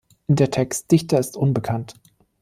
Der Textdichter ist unbekannt.